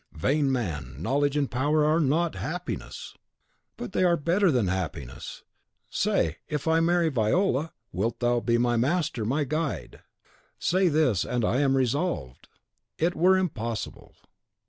"Vain man, knowledge and power are not happiness." "But they are better than happiness. Say! if I marry Viola, wilt thou be my master, my guide? Say this, and I am resolved. "It were impossible."